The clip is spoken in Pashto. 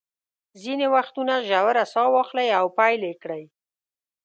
ځینې وختونه ژوره ساه واخلئ او پیل یې کړئ.